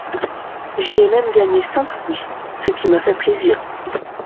J'y ai même gagné cinq louis, ce qui m'a fait plaisir.